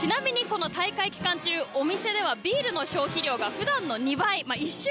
ちなみに、この大会期間中、お店では、ビールの消費量がふだんの２倍。